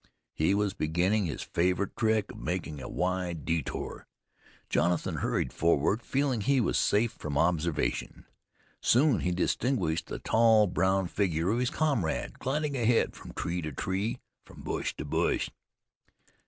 He was beginning his favorite trick of making a wide detour. Jonathan hurried forward, feeling he was safe from observation. Soon he distinguished the tall, brown figure of his comrade gliding ahead from tree to tree, from bush to bush.